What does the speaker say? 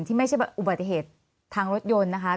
ไม่ใช่อุบัติเหตุทางรถยนต์นะคะ